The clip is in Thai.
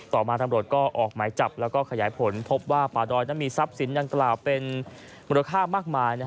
ต่อมาตำรวจก็ออกหมายจับแล้วก็ขยายผลพบว่าป่าดอยนั้นมีทรัพย์สินดังกล่าวเป็นมูลค่ามากมาย